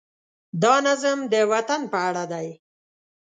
دا نظم د وطن په اړه دی.